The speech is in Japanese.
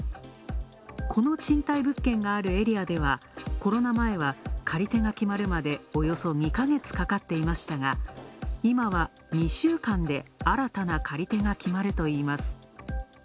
この賃貸物件があるエリアではコロナ前は借り手が決まるまでおよそ２ヶ月かかっていましたが、今は２週間で新たな借り手が決まるといいます。